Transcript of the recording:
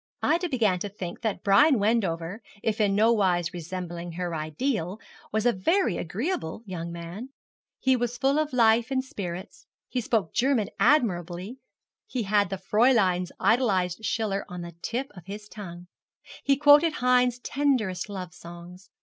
Ida began to think that Brian Wendover, if in nowise resembling her ideal, was a very agreeable young man. He was full of life and spirits; he spoke German admirably. He had the Fräulein's idolized Schiller on the tip of his tongue. He quoted Heine's tenderest love songs.